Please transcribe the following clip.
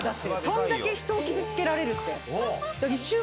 そんだけ人を傷つけられるって。